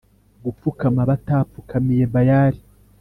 gupfukama batapfukamiye bayali